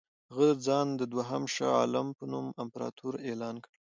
هغه ځان د دوهم شاه عالم په نوم امپراطور اعلان کړ.